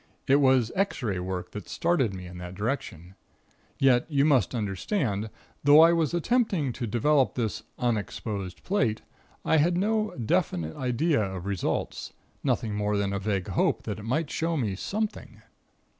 It was X ray work that started me in that direction. Yet, you must understand, though I was attempting to develop this 'unexposed' plate, I had no definite idea of results nothing more than a vague hope that it might show me something.